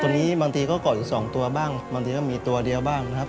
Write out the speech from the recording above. นี้บางทีก็เกาะอยู่๒ตัวบ้างบางทีก็มีตัวเดียวบ้างนะครับ